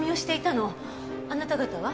あなた方は？